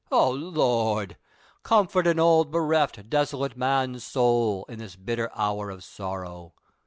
O Lord ! comfort an old bereft, desolate man's soul, in this bitter hour of sorrow